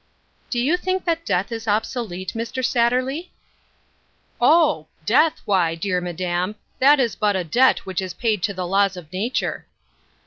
" Do you think that death is obsolete, Mr. Satterley ?"" Oh ! death, why, dear madam, that is but a debt which is paid to the laws of nature."